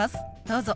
どうぞ。